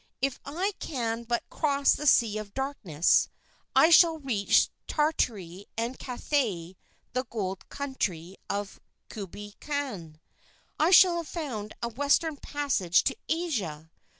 If I can but cross the Sea of Darkness, I shall reach Tartary and Cathay the Golden Country of Kublai Khan. I shall have found a Western Passage to Asia.